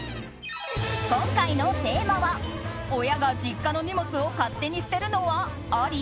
今回のテーマは親が実家の荷物を勝手に捨てるのはあり？